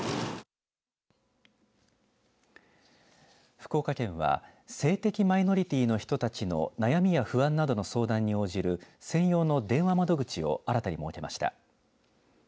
福岡県は性的マイノリティーの人たちの悩みや不安などの相談に応じる専用の電話窓口を新たに設けました。